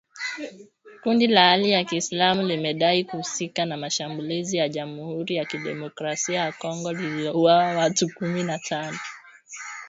Kundi la Hali ya kiislamu limedai kuhusika na shambulizi la jamuhuri ya kidemokrasia ya Kongo lililouwa watu kumi na tano